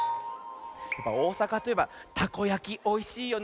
おおさかといえばたこやきおいしいよね。